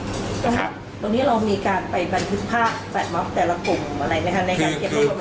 ตรงนี้เรามีการไปบรรพิภาพแฟนมอบแต่ละกลุ่มอะไรไหมคะ